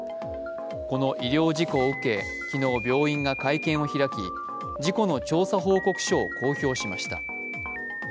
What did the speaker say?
この医療事故を受け、昨日病院が会見を開き事故の調査報告書を公表しました。